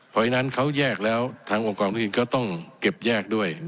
เพราะฉะนั้นเขาแยกแล้วทางองค์กรพินก็ต้องเก็บแยกด้วย